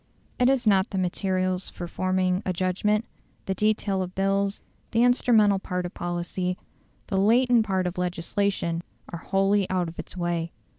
It has not the materials for forming a judgment: the detail of bills, the instrumental part of policy, the latent part of legislation, are wholly out of its way.